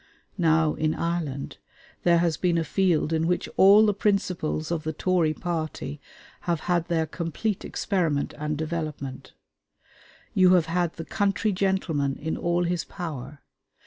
Now, in Ireland there has been a field in which all the principles of the Tory party have had their complete experiment and development. You have had the country gentleman in all his power.